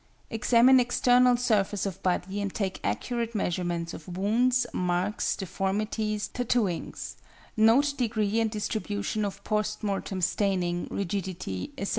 Examine external surface of body and take accurate measurements of wounds, marks, deformities, tattooings; note degree and distribution of post mortem staining, rigidity, etc.